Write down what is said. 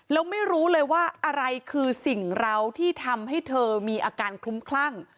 แล้วไม่รู้เลยว่าอะไรคือสิ่งเราที่ทำให้เธอมีอาการคลุ้มคลั่ง